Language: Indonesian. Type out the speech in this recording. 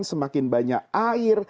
semakin banyak air